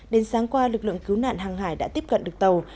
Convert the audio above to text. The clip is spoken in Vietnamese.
đến sáng qua lực lượng cứu nạn hàng hải đã tiếp cận được tàu